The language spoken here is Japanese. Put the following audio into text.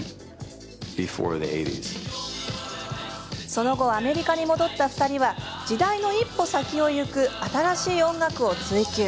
その後、アメリカに戻った２人は時代の一歩先をいく新しい音楽を追求。